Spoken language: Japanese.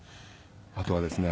あとはですね